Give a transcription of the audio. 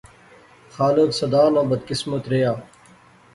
خالق سدا نا بدقسمت ریا